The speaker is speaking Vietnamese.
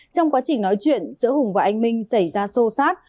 trong quá trình nói chuyện giữa hùng và anh minh xảy ra sô sát